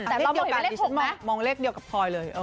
แต่เราเห็นว่าเลข๖มั้ยเลขเดียวกับทรอยเลย